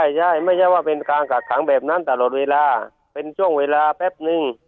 ใช่ไม่ใช่ว่าเป็นการกักขังแบบนั้นตลอดเวลาเป็นช่วงเวลาแป๊บนึง